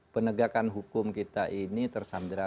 penegakan hukum kita ini tersandra